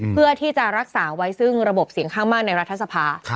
เพื่อที่จะรักษาไว้ซึ่งระบบเสียงข้างมากในรัฐสภา